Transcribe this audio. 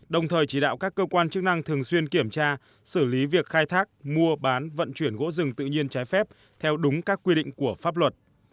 đồng thời chỉ đạo các cơ quan chức năng thường xuyên kiểm tra xử lý việc khai thác mua bán vận chuyển gỗ rừng tự nhiên trái phép theo đúng các quy định của pháp luật